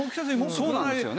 そうなんですよね。